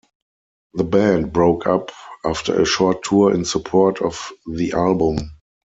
The band broke up after a short tour in support of the album.